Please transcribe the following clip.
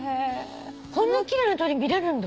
こんな奇麗な鳥見れるんだ。